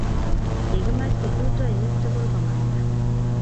kikimach kiprutoinik tugul komanda